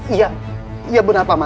iya iya benar pak paman